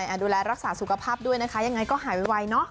ดูแลรักษาสุขภาพด้วยนะคะยังไงก็หายไวเนอะ